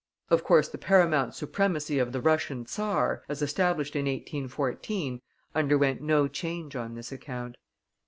Of course the paramount supremacy of the Russian Czar, as established in 1814, underwent no change on this account.